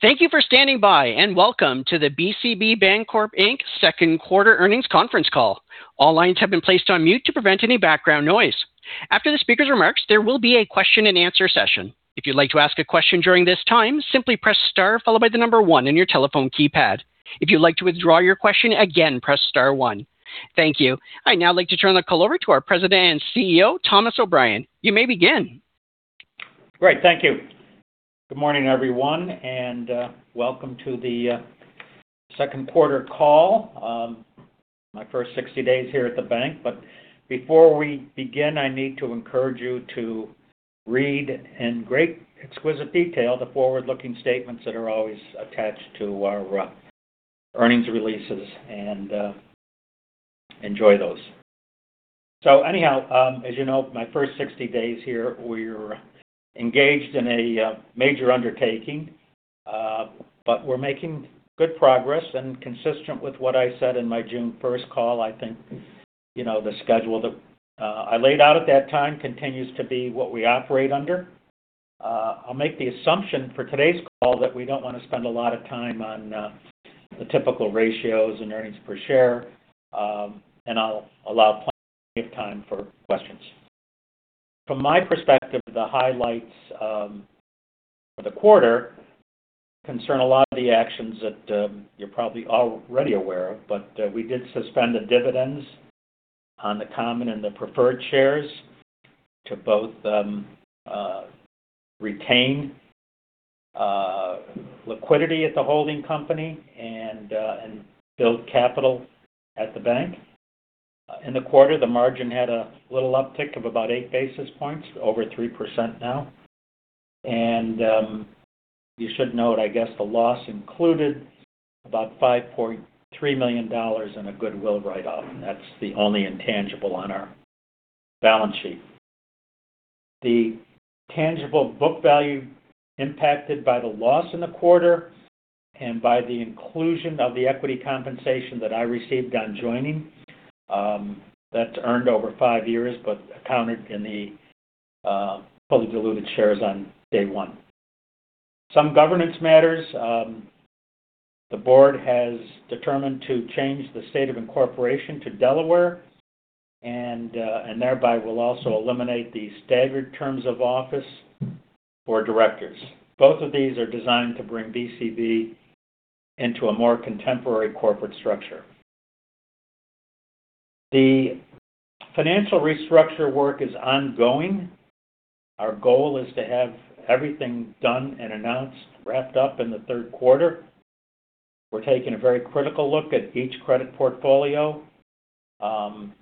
Thank you for standing by, and welcome to the BCB Bancorp, Inc. Second Quarter Earnings Conference Call. All lines have been placed on mute to prevent any background noise. After the speaker's remarks, there will be a question-and-answer session. If you'd like to ask a question during this time, simply press star followed by the number one on your telephone keypad. If you'd like to withdraw your question, again, press star one. Thank you. I'd now like to turn the call over to our President and CEO, Thomas O'Brien. You may begin. Great. Thank you. Good morning, everyone, and welcome to the second quarter call. My first 60 days here at the bank. Before we begin, I need to encourage you to read in great, exquisite detail the forward-looking statements that are always attached to our earnings releases and enjoy those. Anyhow, as you know, my first 60 days here, we're engaged in a major undertaking. But we're making good progress and consistent with what I said in my June 1st call, I think the schedule that I laid out at that time continues to be what we operate under. I'll make the assumption for today's call that we don't want to spend a lot of time on the typical ratios and earnings per share. I'll allow plenty of time for questions. From my perspective, the highlights of the quarter concern a lot of the actions that you're probably already aware of, we did suspend the dividends on the common and the preferred shares to both retain liquidity at the holding company and build capital at the bank. In the quarter, the margin had a little uptick of about eight basis points, over 3% now. You should note, I guess the loss included about $5.3 million in a goodwill write-off. That's the only intangible on our balance sheet. The tangible book value impacted by the loss in the quarter and by the inclusion of the equity compensation that I received on joining. That's earned over five years but accounted in the fully diluted shares on day one. Some governance matters. The board has determined to change the state of incorporation to Delaware, thereby will also eliminate the staggered terms of office for directors. Both of these are designed to bring BCB into a more contemporary corporate structure. The financial restructure work is ongoing. Our goal is to have everything done and announced, wrapped up in the third quarter. We're taking a very critical look at each credit portfolio. I'm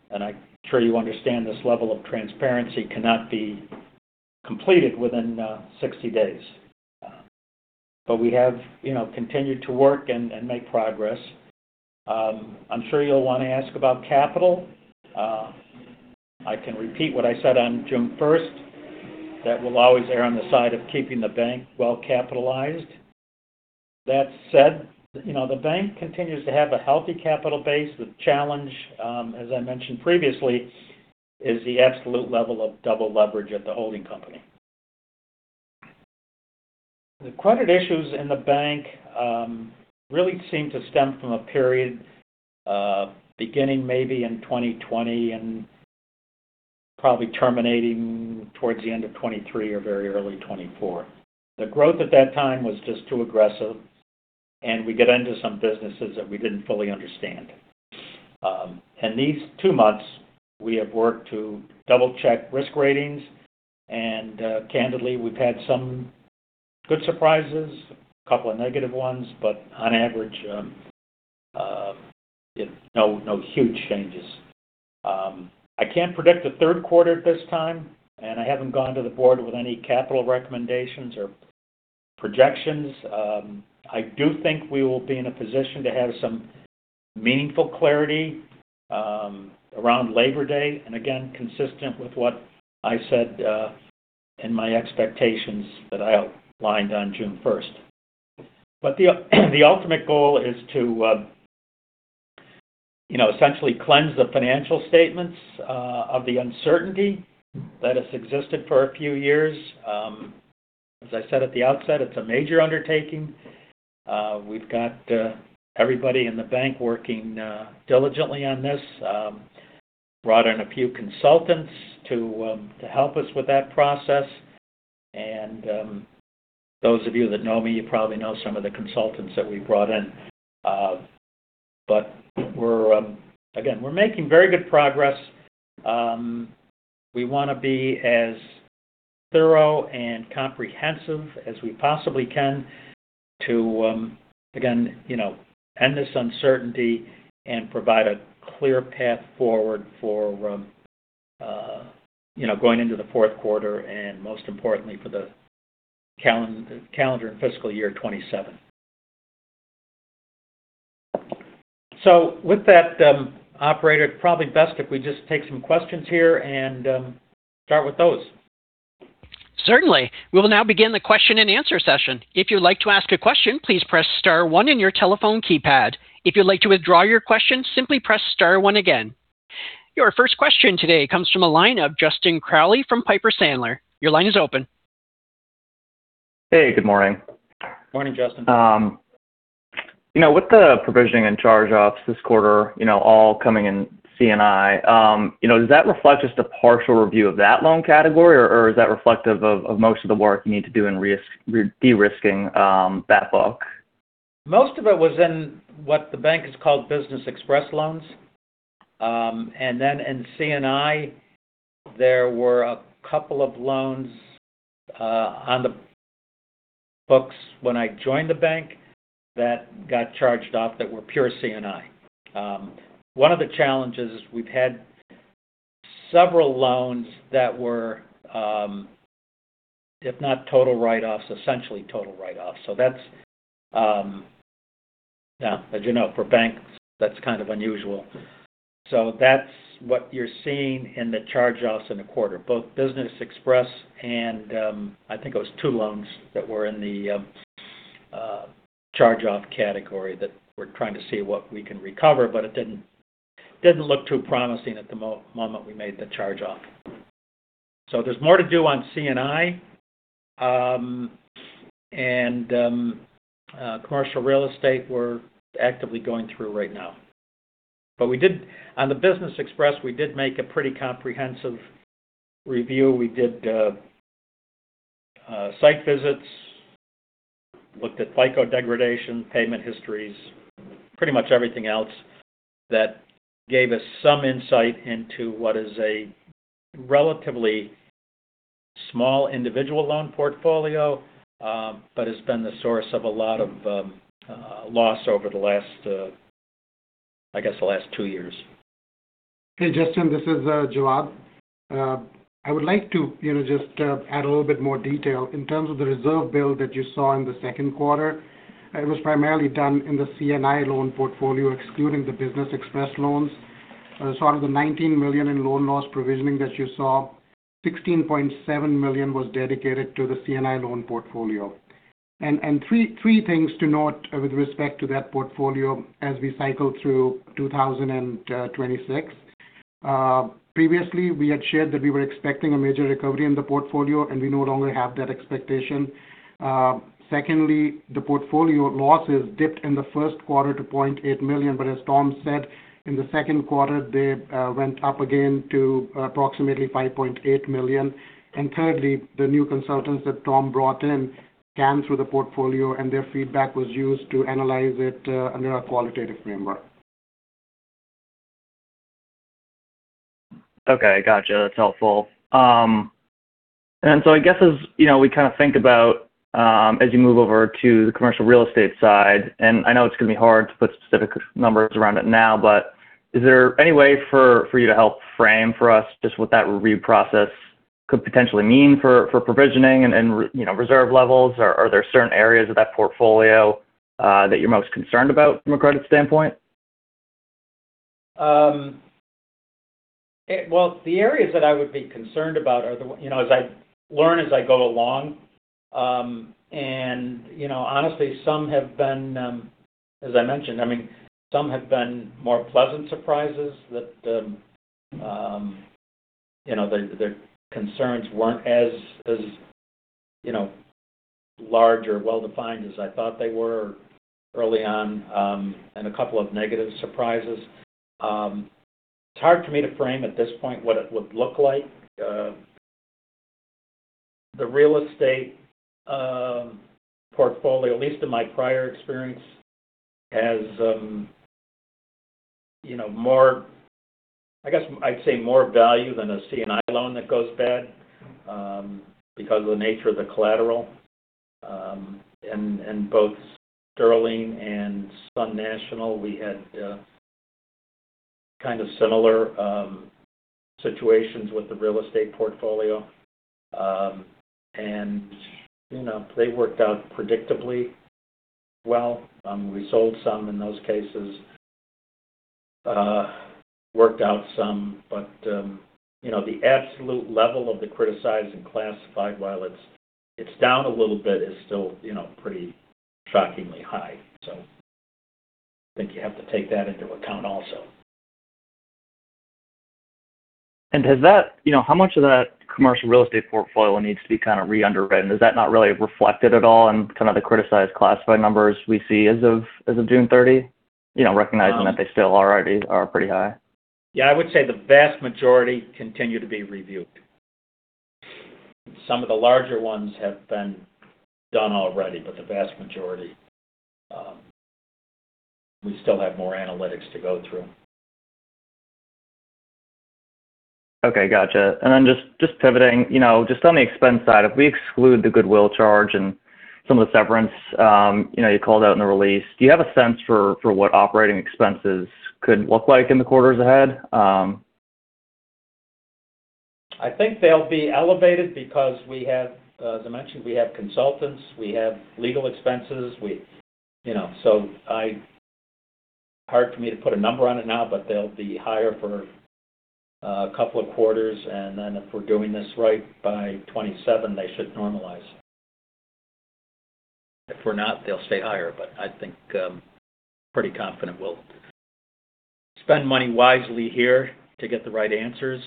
sure you understand this level of transparency cannot be completed within 60 days. We have continued to work and make progress. I'm sure you'll want to ask about capital. I can repeat what I said on June 1st, that we'll always err on the side of keeping the bank well-capitalized. That said, the bank continues to have a healthy capital base. The challenge, as I mentioned previously, is the absolute level of double leverage at the holding company. The credit issues in the bank really seem to stem from a period beginning maybe in 2020 and probably terminating towards the end of 2023 or very early 2024. The growth at that time was just too aggressive, and we got into some businesses that we didn't fully understand. In these two months, we have worked to double-check risk ratings, and candidly, we've had some good surprises, a couple of negative ones, but on average, no huge changes. I can't predict the third quarter at this time, and I haven't gone to the board with any capital recommendations or projections. I do think we will be in a position to have some meaningful clarity around Labor Day, and again, consistent with what I said in my expectations that I outlined on June 1st. The ultimate goal is to essentially cleanse the financial statements of the uncertainty that has existed for a few years. As I said at the outset, it's a major undertaking. We've got everybody in the bank working diligently on this. Brought in a few consultants to help us with that process. Those of you that know me, you probably know some of the consultants that we brought in. Again, we're making very good progress. We want to be as thorough and comprehensive as we possibly can to, again, end this uncertainty and provide a clear path forward for going into the fourth quarter and most importantly for the calendar and fiscal year 2027. With that, operator, probably best if we just take some questions here and start with those. Certainly. We will now begin the question-and-answer session. Your first question today comes from a line of Justin Crowley from Piper Sandler. Your line is open. Hey, good morning. Morning, Justin. With the provisioning and charge-offs this quarter all coming in C&I, does that reflect just a partial review of that loan category or is that reflective of most of the work you need to do in de-risking that book? Most of it was in what the bank has called Business Express loans. Then in C&I, there were a couple of loans on the books when I joined the bank that got charged off that were pure C&I. One of the challenges is we've had several loans that were, if not total write-offs, essentially total write-offs. As you know, for banks, that's kind of unusual. That's what you're seeing in the charge-offs in the quarter, both Business Express and I think it was two loans that were in the charge-off category that we're trying to see what we can recover, but it didn't look too promising at the moment we made the charge off. There's more to do on C&I, and commercial real estate we're actively going through right now. On the Business Express, we did make a pretty comprehensive review. We did site visits, looked at FICO degradation, payment histories, pretty much everything else that gave us some insight into what is a relatively small individual loan portfolio, but has been the source of a lot of loss over, I guess, the last two years. Hey, Justin, this is Jawad. I would like to just add a little bit more detail. In terms of the reserve build that you saw in the second quarter, it was primarily done in the C&I loan portfolio, excluding the Business Express loans. Out of the $19 million in loan loss provisioning that you saw, $16.7 million was dedicated to the C&I loan portfolio. Three things to note with respect to that portfolio as we cycle through 2026. Previously, we had shared that we were expecting a major recovery in the portfolio, and we no longer have that expectation. Secondly, the portfolio losses dipped in the first quarter to $0.8 million, but as Tom said, in the second quarter, they went up again to approximately $5.8 million. Thirdly, the new consultants that Tom brought in scanned through the portfolio, and their feedback was used to analyze it under a qualitative framework. Okay, got you. That's helpful. I guess as we kind of think about as you move over to the commercial real estate side, and I know it's going to be hard to put specific numbers around it now, but is there any way for you to help frame for us just what that review process could potentially mean for provisioning and reserve levels? Are there certain areas of that portfolio that you're most concerned about from a credit standpoint? Well, the areas that I would be concerned about as I learn as I go along. Honestly, as I mentioned, some have been more pleasant surprises that the concerns weren't as large or well-defined as I thought they were early on, and a couple of negative surprises. It's hard for me to frame at this point what it would look like. The real estate portfolio, at least in my prior experience, has I guess I'd say more value than a C&I loan that goes bad because of the nature of the collateral. Both Sterling and Sun National, we had kind of similar situations with the real estate portfolio. They worked out predictably well. We sold some in those cases, worked out some. The absolute level of the criticized and classified, while it's down a little bit, is still pretty shockingly high. I think you have to take that into account also. How much of that commercial real estate portfolio needs to be kind of re-underwritten? Is that not really reflected at all in kind of the criticized classified numbers we see as of June 30? Recognizing that they still are pretty high. Yeah, I would say the vast majority continue to be reviewed. Some of the larger ones have been done already, the vast majority, we still have more analytics to go through. Okay, got you. Just pivoting, just on the expense side, if we exclude the goodwill charge and some of the severance you called out in the release, do you have a sense for what operating expenses could look like in the quarters ahead? I think they'll be elevated because as I mentioned, we have consultants, we have legal expenses. Hard for me to put a number on it now, but they'll be higher for a couple of quarters, and then if we're doing this right, by 2027, they should normalize. If we're not, they'll stay higher. I think I'm pretty confident we'll spend money wisely here to get the right answers,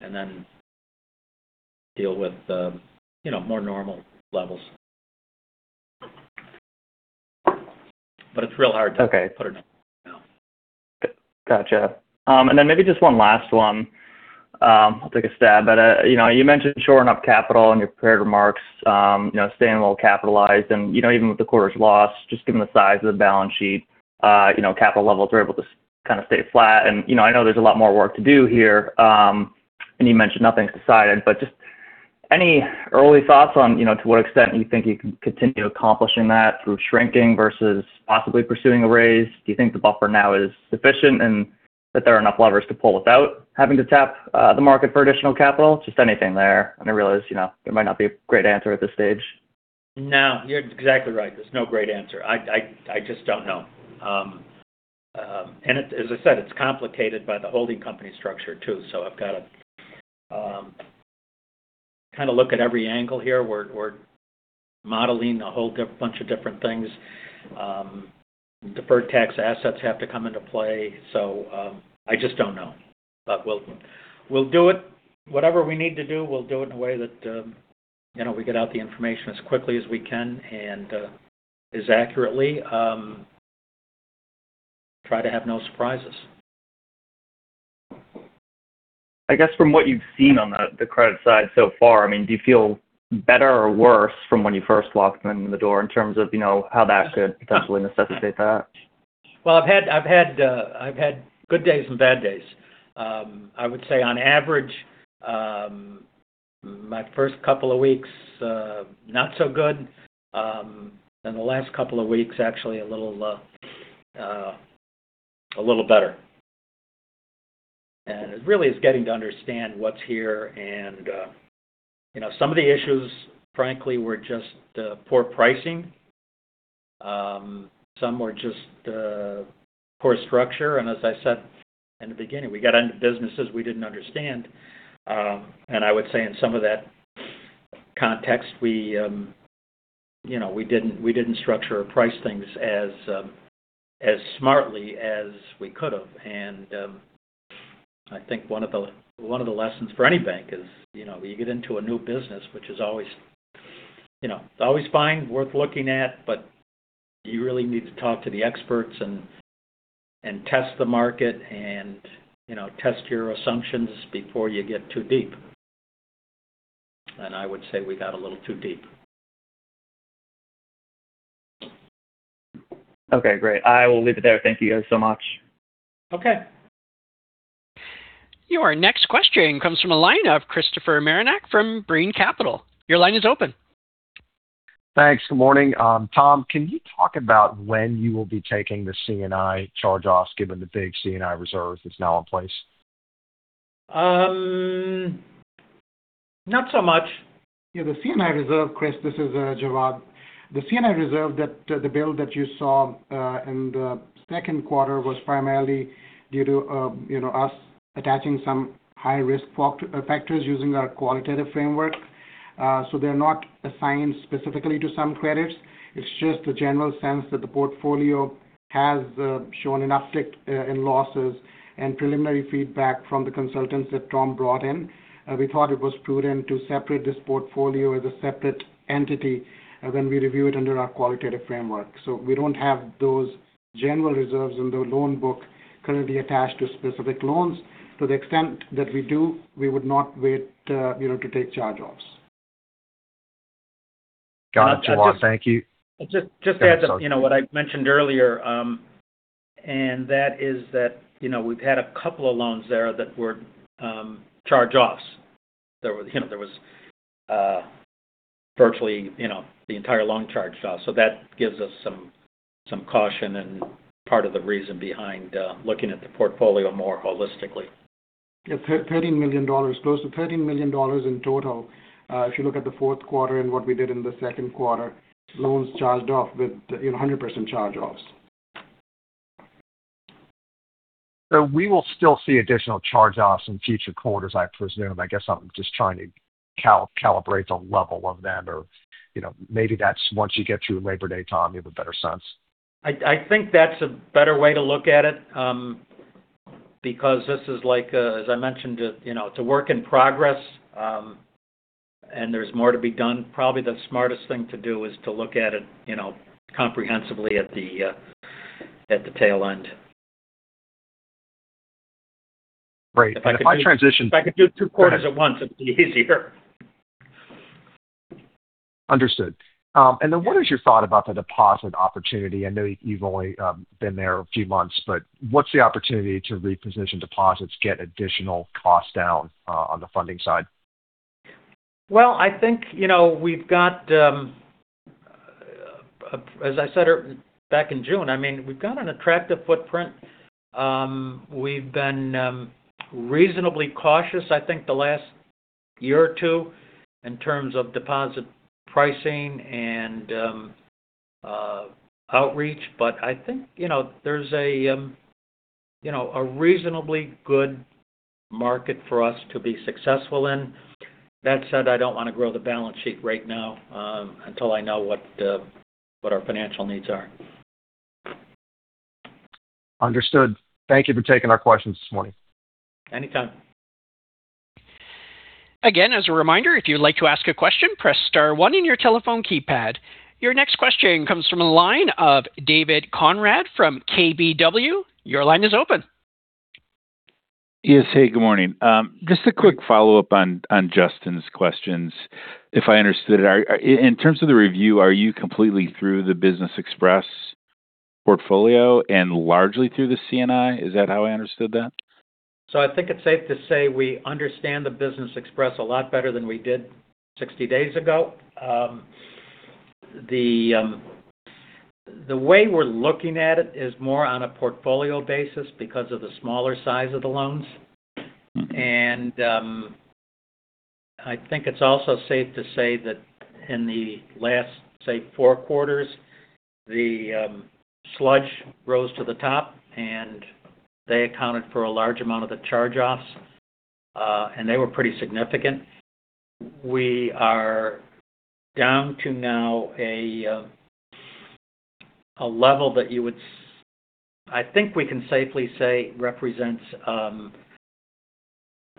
and then deal with more normal levels. It's real hard to put a number down. Got you. Then maybe just one last one. I'll take a stab at it. You mentioned shoring up capital in your prepared remarks, staying well-capitalized. Even with the quarter's loss, just given the size of the balance sheet, capital levels were able to kind of stay flat. I know there's a lot more work to do here. You mentioned nothing's decided, but just any early thoughts on to what extent you think you can continue accomplishing that through shrinking versus possibly pursuing a raise? Do you think the buffer now is sufficient and that there are enough levers to pull without having to tap the market for additional capital? Just anything there. I realize there might not be a great answer at this stage. No, you're exactly right. There's no great answer. I just don't know. As I said, it's complicated by the holding company structure, too. I've got to kind of look at every angle here. We're modeling a whole bunch of different things. Deferred tax assets have to come into play. I just don't know. We'll do it. Whatever we need to do, we'll do it in a way that we get out the information as quickly as we can and as accurately. Try to have no surprises. I guess from what you've seen on the credit side so far, do you feel better or worse from when you first walked in the door in terms of how that could potentially necessitate that? Well, I've had good days and bad days. I would say on average, my first couple of weeks, not so good. The last couple of weeks, actually a little better. It really is getting to understand what's here and some of the issues, frankly, were just poor pricing. Some were just poor structure. As I said in the beginning, we got into businesses we didn't understand. I would say in some of that context, we didn't structure or price things as smartly as we could have. I think one of the lessons for any bank is when you get into a new business, which is always fine, worth looking at, but you really need to talk to the experts and test the market and test your assumptions before you get too deep. I would say we got a little too deep. Okay, great. I will leave it there. Thank you guys so much. Okay. Your next question comes from a line of Christopher Marinac from Brean Capital. Your line is open. Thanks. Good morning. Tom, can you talk about when you will be taking the C&I charge-offs, given the big C&I reserve that's now in place? Not so much. Yeah, the C&I reserve, Chris, this is Jawad. The C&I reserve that the build that you saw in the second quarter was primarily due to us attaching some high-risk factors using our qualitative framework. They're not assigned specifically to some credits. It's just a general sense that the portfolio has shown an uptick in losses and preliminary feedback from the consultants that Tom brought in. We thought it was prudent to separate this portfolio as a separate entity when we review it under our qualitative framework. We don't have those general reserves in the loan book currently attached to specific loans. To the extent that we do, we would not wait to take charge-offs. Got it, Jawad. Thank you. Just to add to what I mentioned earlier, and that is that we've had a couple of loans there that were charge-offs. There was virtually the entire loan charged off. That gives us some caution and part of the reason behind looking at the portfolio more holistically. Yeah, close to $13 million in total. If you look at the fourth quarter and what we did in the second quarter, loans charged off with 100% charge-offs. We will still see additional charge-offs in future quarters, I presume. I guess I'm just trying to calibrate the level of them. Maybe that's once you get through Labor Day, Tom, you have a better sense. I think that's a better way to look at it. This is like, as I mentioned, it's a work in progress. There's more to be done. Probably the smartest thing to do is to look at it comprehensively at the tail end. If I could do two quarters at once, it'd be easier. Understood. What is your thought about the deposit opportunity? I know you've only been there a few months, but what's the opportunity to reposition deposits, get additional cost down on the funding side? Well, I think, as I said back in June, we've got an attractive footprint. We've been reasonably cautious, I think the last year or two, in terms of deposit pricing and outreach. I think there's a reasonably good market for us to be successful in. That said, I don't want to grow the balance sheet right now until I know what our financial needs are. Understood. Thank you for taking our questions this morning. Anytime. Your next question comes from the line of David Konrad from KBW. Your line is open. Hey, good morning. Just a quick follow-up on Justin's questions. If I understood it, in terms of the review, are you completely through the Business Express portfolio and largely through the C&I? Is that how I understood that? I think it's safe to say we understand the Business Express a lot better than we did 60 days ago. The way we're looking at it is more on a portfolio basis because of the smaller size of the loans. I think it's also safe to say that in the last, say, four quarters, the sludge rose to the top. They accounted for a large amount of the charge-offs, and they were pretty significant. We are down to now a level that I think we can safely say represents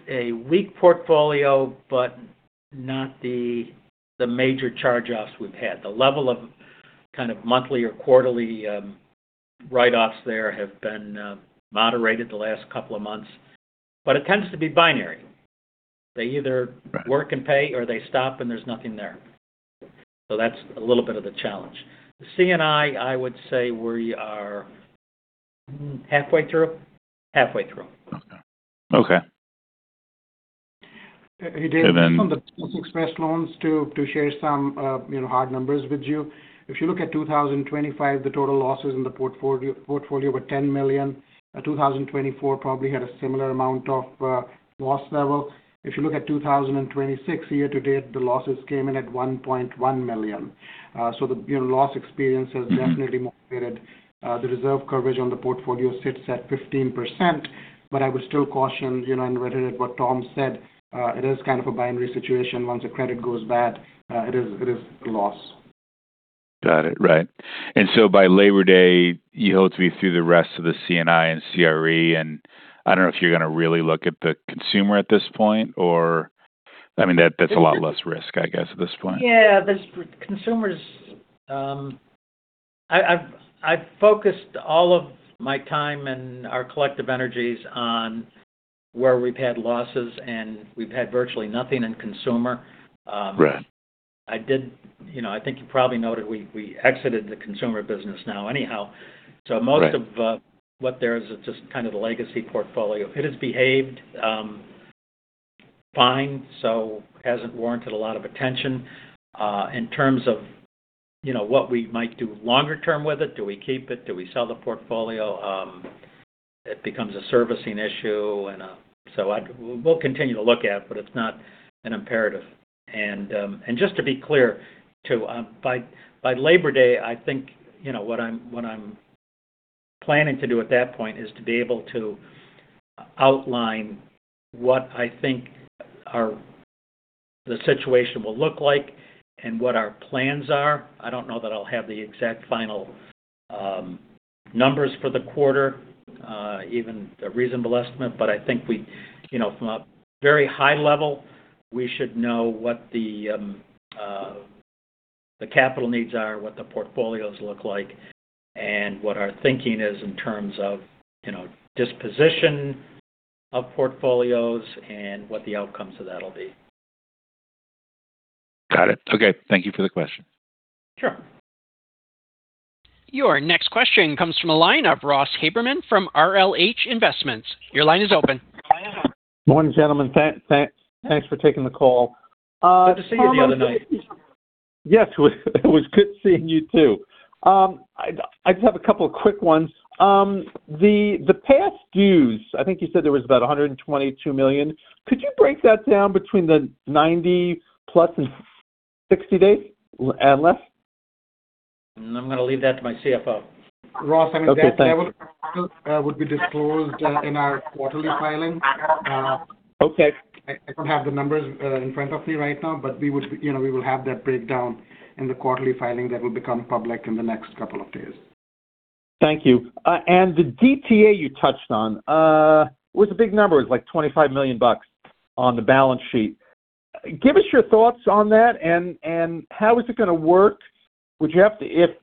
a weak portfolio, but not the major charge-offs we've had. The level of kind of monthly or quarterly write-offs there have been moderated the last couple of months. It tends to be binary. They either work and pay, or they stop and there's nothing there. That's a little bit of the challenge. The C&I would say we are halfway through? Halfway through. Okay. Hey, David. Just on the Business Express loans, to share some hard numbers with you. If you look at 2025, the total losses in the portfolio were $10 million. 2024 probably had a similar amount of loss level. If you look at 2026, year to date, the losses came in at $1.1 million. The loss experience has definitely moderated. The reserve coverage on the portfolio sits at 15%, but I would still caution, and reiterate what Tom said, it is kind of a binary situation. Once a credit goes bad, it is a loss. Got it. Right. By Labor Day, you hope to be through the rest of the C&I and CRE, I don't know if you're going to really look at the consumer at this point, or I mean, that's a lot less risk, I guess, at this point. Yeah. I've focused all of my time and our collective energies on where we've had losses, and we've had virtually nothing in consumer. I think you probably noted we exited the consumer business now anyhow. Most of what there is is just kind of the legacy portfolio. It has behaved fine, so hasn't warranted a lot of attention. In terms of what we might do longer term with it, do we keep it? Do we sell the portfolio? It becomes a servicing issue. We'll continue to look at it, but it's not an imperative. Just to be clear, too, by Labor Day, I think what I'm planning to do at that point is to be able to outline what I think the situation will look like and what our plans are. I don't know that I'll have the exact final numbers for the quarter, even a reasonable estimate, but I think from a very high level, we should know what the capital needs are, what the portfolios look like, and what our thinking is in terms of disposition of portfolios and what the outcomes of that'll be. Got it. Okay. Thank you for the question. Sure. Your next question comes from the line of Ross Haberman from RLH Investments. Your line is open. Hi. Morning, gentlemen. Thanks for taking the call. Good to see you the other night. Yes. It was good seeing you, too. I just have a couple of quick ones. The past dues, I think you said there was about $122 million. Could you break that down between the 90+ and 60 days and less? I'm going to leave that to my CFO. Ross, I mean, that level would be disclosed in our quarterly filing. I don't have the numbers in front of me right now, but we will have that breakdown in the quarterly filing that will become public in the next couple of days. Thank you. The DTA you touched on. It was a big number. It was like $25 million on the balance sheet. Give us your thoughts on that, and how is it going to work? If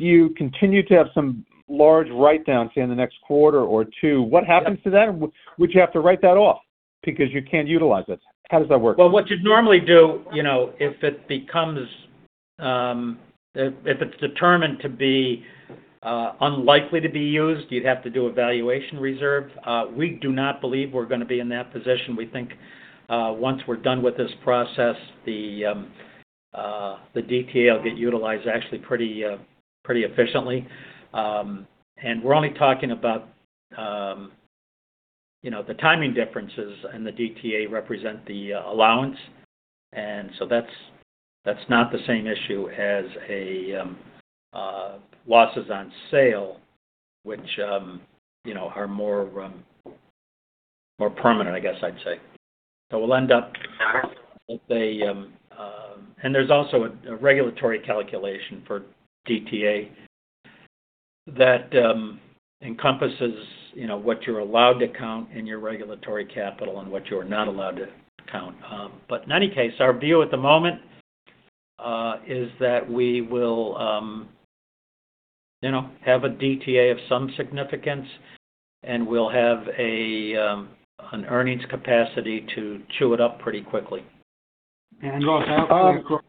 you continue to have some large write-downs in the next quarter or two, what happens to that? Would you have to write that off because you can't utilize it? How does that work? Well, what you'd normally do, if it's determined to be unlikely to be used, you'd have to do a valuation reserve. We do not believe we're going to be in that position. We think once we're done with this process, the DTA will get utilized actually pretty efficiently. We're only talking about the timing differences and the DTA represent the allowance. That's not the same issue as losses on sale, which are more permanent, I guess I'd say. There's also a regulatory calculation for DTA that encompasses what you're allowed to count in your regulatory capital and what you are not allowed to count. In any case, our view at the moment is that we will have a DTA of some significance, and we'll have an earnings capacity to chew it up pretty quickly. Ross, I'll echo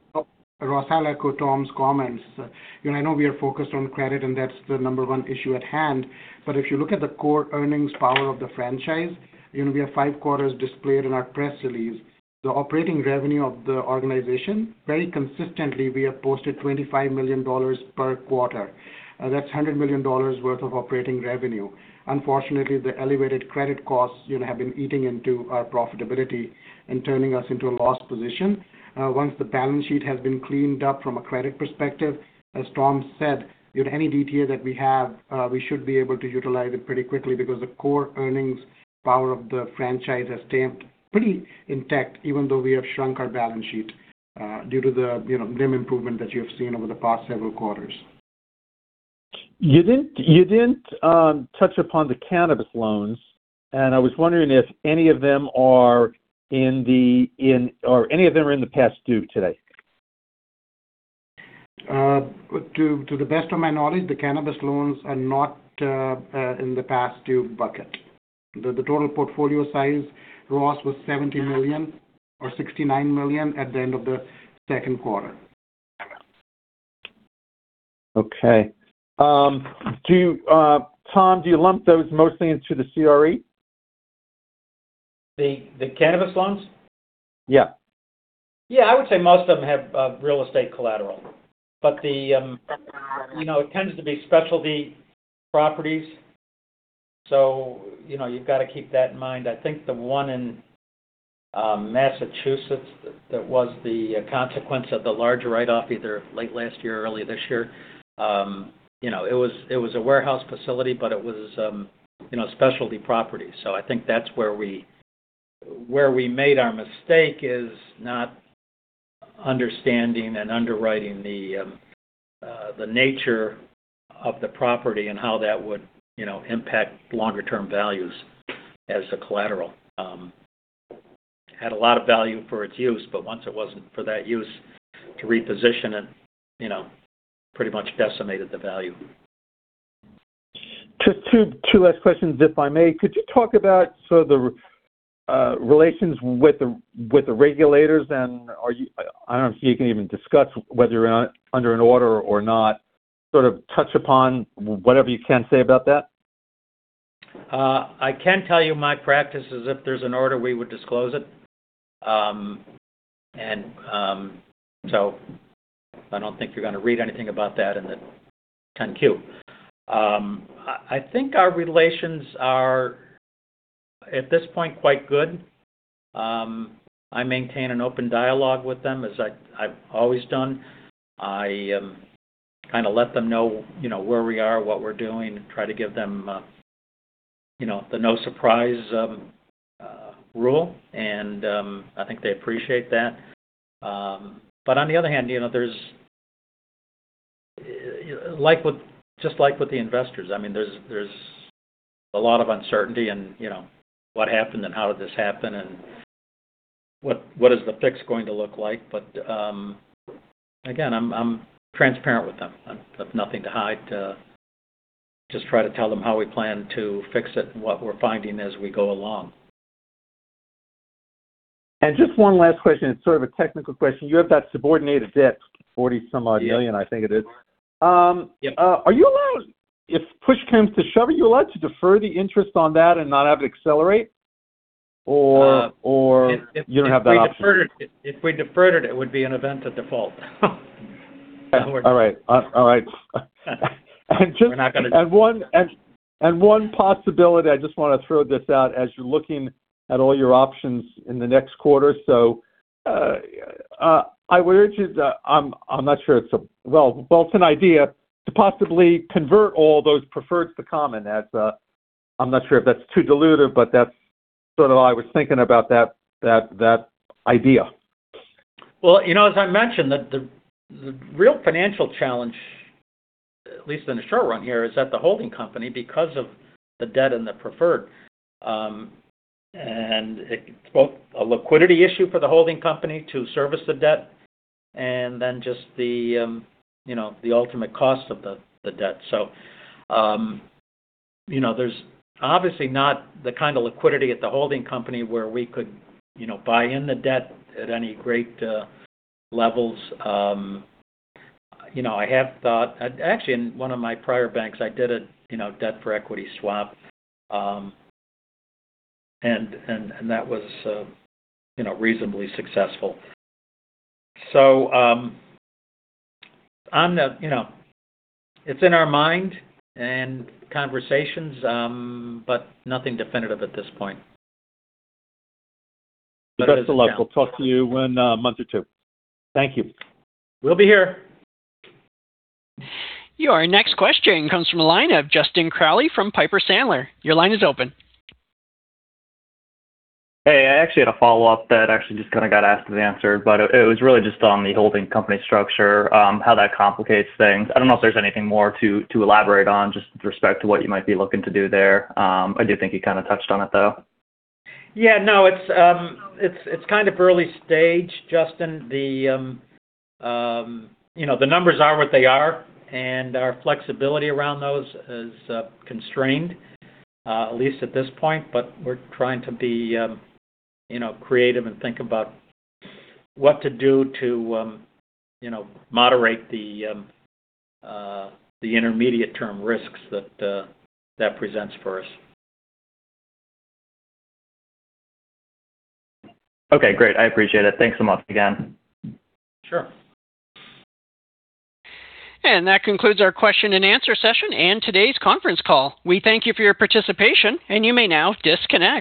Tom's comments. I know we are focused on credit, and that's the number one issue at hand. If you look at the core earnings power of the franchise, we have five quarters displayed in our press release. The operating revenue of the organization, very consistently, we have posted $25 million per quarter. That's $100 million worth of operating revenue. Unfortunately, the elevated credit costs have been eating into our profitability and turning us into a loss position. Once the balance sheet has been cleaned up from a credit perspective, as Tom said, any DTA that we have, we should be able to utilize it pretty quickly because the core earnings power of the franchise has stayed pretty intact, even though we have shrunk our balance sheet due to the improvement that you have seen over the past several quarters. You didn't touch upon the cannabis loans, and I was wondering if any of them are in the past due today. To the best of my knowledge, the cannabis loans are not in the past due bucket. The total portfolio size, Ross, was $70 million or $69 million at the end of the second quarter. Okay. Tom, do you lump those mostly into the CRE? The cannabis loans? Yeah. Yeah, I would say most of them have real estate collateral. It tends to be specialty properties, so you've got to keep that in mind. I think the one in Massachusetts that was the consequence of the larger write-off either late last year or early this year. It was a warehouse facility, but it was specialty property. I think that's where we made our mistake is not understanding and underwriting the nature of the property and how that would impact longer-term values as the collateral. Had a lot of value for its use, once it wasn't for that use, to reposition it pretty much decimated the value. Just two last questions, if I may. Could you talk about the relations with the regulators then? I don't know if you can even discuss whether you're under an order or not. Sort of touch upon whatever you can say about that. I can tell you my practice is if there's an order, we would disclose it. I don't think you're going to read anything about that in the Form 10-Q. I think our relations are, at this point, quite good. I maintain an open dialogue with them as I've always done. I kind of let them know where we are, what we're doing, and try to give them the no surprise rule, and I think they appreciate that. On the other hand, just like with the investors, there's a lot of uncertainty in what happened and how did this happen and what is the fix going to look like. Again, I'm transparent with them. I've nothing to hide. Just try to tell them how we plan to fix it and what we're finding as we go along. Just one last question. It's sort of a technical question. You have that subordinated debt, $40 some odd million, I think it is. Yep. If push comes to shove, are you allowed to defer the interest on that and not have it accelerate? You don't have that option? If we deferred it would be an event of default. All right. We're not going to do that. One possibility, I just want to throw this out as you're looking at all your options in the next quarter. I would urge you to, I'm not sure, it's an idea to possibly convert all those preferred to common as I'm not sure if that's too dilutive, but that's sort of what I was thinking about that idea. Well, as I mentioned, the real financial challenge, at least in the short run here, is that the holding company, because of the debt and the preferred. It's both a liquidity issue for the holding company to service the debt and then just the ultimate cost of the debt. There's obviously not the kind of liquidity at the holding company where we could buy in the debt at any great levels. I have thought, actually in one of my prior banks, I did a debt for equity swap. That was reasonably successful. It's in our mind and conversations, but nothing definitive at this point. Best of luck. We'll talk to you in a month or two. Thank you. We'll be here. Your next question comes from the line of Justin Crowley from Piper Sandler. Your line is open. Hey, I actually had a follow-up that actually just kind of got asked and answered, but it was really just on the holding company structure, how that complicates things. I don't know if there's anything more to elaborate on just with respect to what you might be looking to do there. I do think you kind of touched on it, though. Yeah, no. It's kind of early stage, Justin. The numbers are what they are, our flexibility around those is constrained, at least at this point, we're trying to be creative and think about what to do to moderate the intermediate term risks that presents for us. Okay, great. I appreciate it. Thanks a lot again. Sure. That concludes our question-and-answer session and today's conference call. We thank you for your participation, and you may now disconnect.